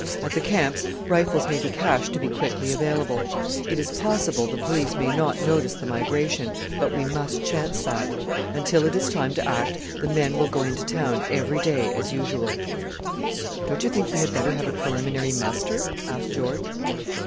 At the camps rifles may be cached to be quickly available. It is possible the police may not notice the migration; but we must chance that. Until it is time to act the men will go into town every day as usual." "Don't you think we had better have a preliminary muster?" asked George.